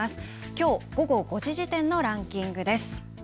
きょう午後５時時点のランキングです。